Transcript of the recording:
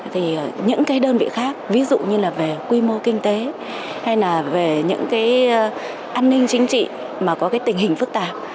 thì những cái đơn vị khác ví dụ như là về quy mô kinh tế hay là về những cái an ninh chính trị mà có cái tình hình phức tạp